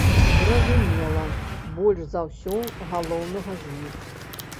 Зразумела, больш за ўсё галоўнага з іх.